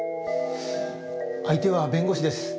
相手は弁護士です。